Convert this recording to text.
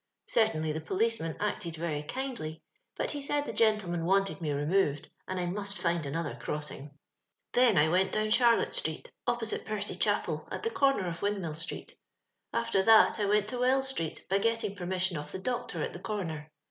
Certainly the policeman acted very kindly, but he said the gentleman wanted me removed, and I must find another crossing. " Thou I wont down Charlotte street, oppo site Percy Chapel, at the corner of Windmill street. After that I went to Wells street, by getting permission of the doctor at the comer.